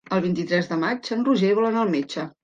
El vint-i-tres de maig en Roger vol anar al metge.